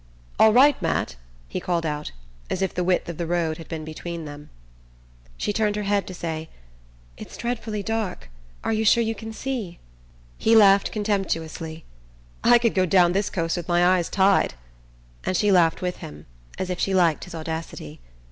"All right, Matt?" he called out, as if the width of the road had been between them. She turned her head to say: "It's dreadfully dark. Are you sure you can see?" He laughed contemptuously: "I could go down this coast with my eyes tied!" and she laughed with him, as if she liked his audacity.